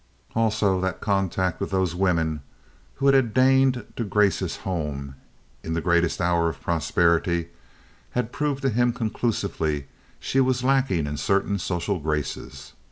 Also that contact with those women who had deigned to grace his home in his greatest hour of prosperity had proved to him conclusively she was lacking in certain social graces.